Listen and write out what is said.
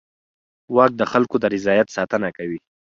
واک د خلکو د رضایت ساتنه کوي.